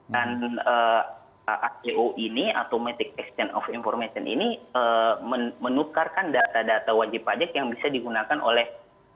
dan rco ini automatic exchange of information ini menukarkan data data wajib pajak yang bisa digunakan oleh